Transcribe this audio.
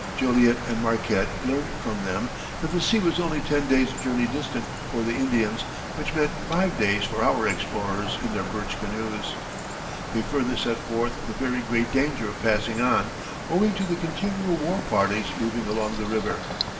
Joliet and Marquette learned from them that the sea was only ten days' journey distant for the Indians, which meant five days for our explorers in their birch canoes. They further set forth the very great danger of passing on, owing to the continual war parties moving along the river.